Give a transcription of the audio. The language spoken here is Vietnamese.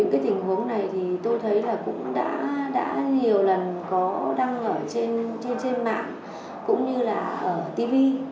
mình đã nhiều lần có đăng ở trên mạng cũng như là ở tv